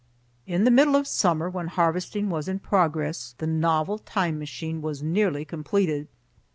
In the middle of summer, when harvesting was in progress, the novel time machine was nearly completed.